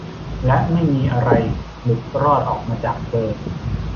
และไม่มีอะไรหลุดรอดออกมาจากเธอ